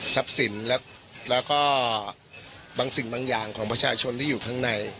สินแล้วก็บางสิ่งบางอย่างของประชาชนที่อยู่ข้างใน